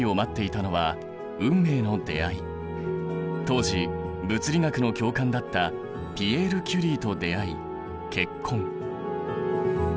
当時物理学の教官だったピエール・キュリーと出会い結婚。